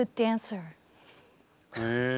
へえ。